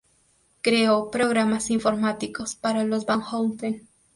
Creó programas informáticos para los van Houten.